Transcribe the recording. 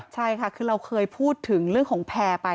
ใช่ค่ะคือเราเคยพูดถึงเรื่องของแพร่ไป